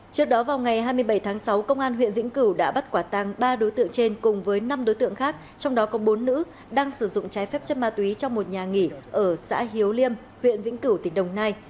trước đó vào ngày hai mươi bảy tháng sáu công an huyện vĩnh cửu đã bắt quả tăng ba đối tượng trên cùng với năm đối tượng khác trong đó có bốn nữ đang sử dụng trái phép chất ma túy trong một nhà nghỉ ở xã hiếu liêm huyện vĩnh cửu tỉnh đồng nai